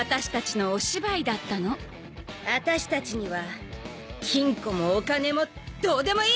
あたしたちには金庫もお金もどうでもいい！